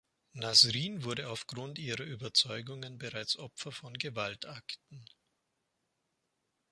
Nasrin wurde aufgrund ihrer Überzeugungen bereits Opfer von Gewaltakten.